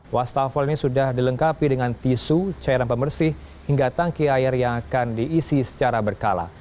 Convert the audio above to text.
wastafel ini sudah dilengkapi dengan tisu cairan pembersih hingga tangki air yang akan diisi secara berkala